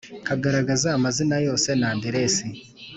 Kugaragaza amazina yose n aderesi